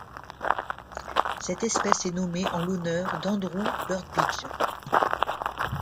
Cette espèce est nommée en l'honneur d'Andrew Burbidge.